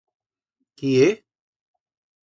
Quí é?